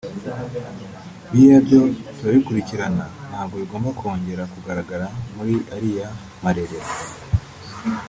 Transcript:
biriya byo turabikurikirana ntabwo bigomba kongera kugaragara muri ariya marerero